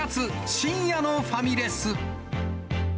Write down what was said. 深夜のファミレス。